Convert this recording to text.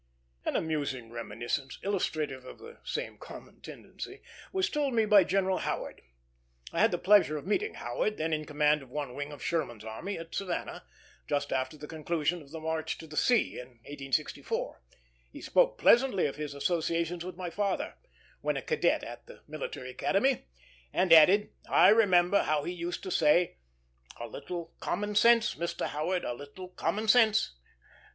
An amusing reminiscence, illustrative of the same common tendency, was told me by General Howard. I had the pleasure of meeting Howard, then in command of one wing of Sherman's army, at Savannah, just after the conclusion of the march to the sea, in 1864. He spoke pleasantly of his associations with my father, when a cadet at the Military Academy, and added, "I remember how he used to say, 'A little common sense, Mr. Howard, a little common sense.'"